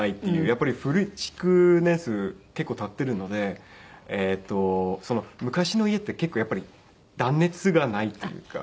やっぱり築年数結構経っているので昔の家ってやっぱり断熱がないというか。